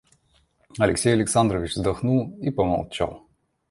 Алексей Александрович вздохнул и помолчал.